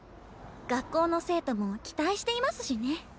学校の生徒も期待していますしね。